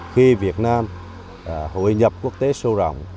khi việt nam hội nhập quốc tế sâu rộng